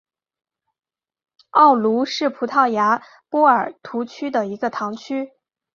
奥卢是葡萄牙波尔图区的一个堂区。